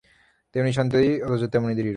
তেমনি শান্ত অথচ তেমনি দৃঢ়।